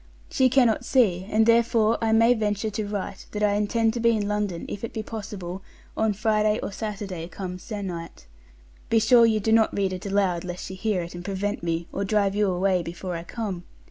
She cannot see, and therefore I may venture to write that I intend to be in London if it be possible on Friday or Saturday come sennight. Be sure you do not read it aloud, lest she hear it, and prevent me, or drive you away before I come.